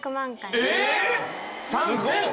３，０００⁉